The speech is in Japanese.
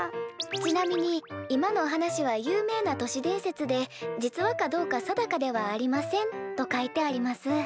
「ちなみに今の話は有名な都市伝説で実話かどうか定かではありません」と書いてあります。